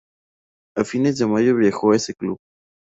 A fines de Mayo viajó a ese club.